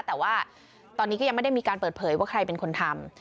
แต่ว่าตอนนี้ก็ยังไม่ได้มีการเปิดเผยว่าใครเป็นคนทำ